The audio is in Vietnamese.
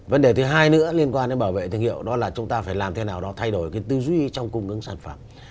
vấn đề thứ hai nữa liên quan đến bảo vệ thương hiệu đó là chúng ta phải làm thế nào đó thay đổi cái tư duy trong cung ứng sản phẩm